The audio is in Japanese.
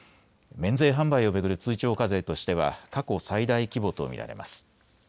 免税販売を巡る追徴課税としては過去最大規模と見られます。